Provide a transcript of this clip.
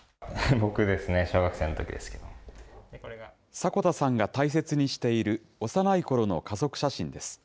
迫田さんが大切にしている幼いころの家族写真です。